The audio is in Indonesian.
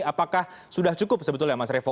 apakah sudah cukup sebetulnya mas revo